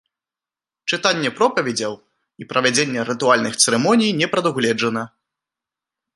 Чытанне пропаведзяў і правядзенне рытуальных цырымоній не прадугледжана.